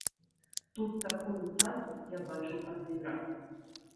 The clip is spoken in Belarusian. Тут такую цацу я бачыў адзін раз.